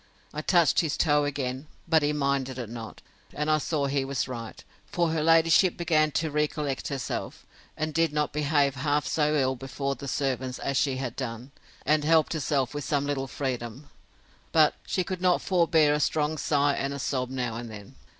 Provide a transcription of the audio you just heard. I touched his toe again; but he minded it not; and I saw he was right; for her ladyship began to recollect herself, and did not behave half so ill before the servants, as she had done; and helped herself with some little freedom; but she could not forbear a strong sigh and a sob now and then.